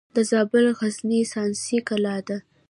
د زابل غزنیې ساساني کلا ده